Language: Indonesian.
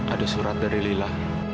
ada surat dari lila